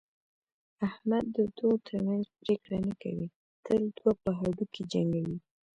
احمد د دوو ترمنځ پرېکړه نه کوي، تل دوه په هډوکي جنګوي.